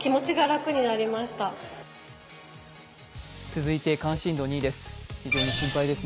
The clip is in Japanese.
続いて関心度２位です。